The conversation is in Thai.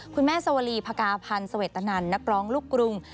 คุณแม่สวรีพกาพันธ์สเวตตะนันนักร้องลูกกรุง